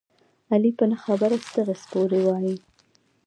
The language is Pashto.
علي په نه خبره ستغې سپورې وايي.